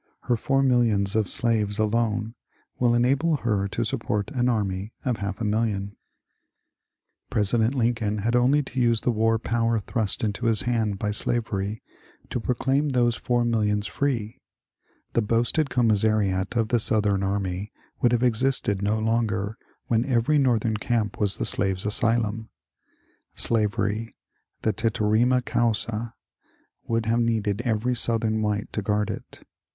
Her four millions of slaves alone will enable her to support an army of half a million." 88 MONCURE DANIEL CONWAY President Lincoln had only to nse the war power thmst into his hand by slarery to proclaim those four millions free ; the boasted commissariat of the Sonthem army would have existed no longer when every Northern camp was the slave's asylum ; slavery, the teterrima C(msa^ would have needed every Southern white to guard it.